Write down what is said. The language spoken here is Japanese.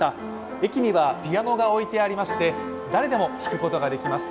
駅にはピアノが置いてありまして誰でも弾くことができます。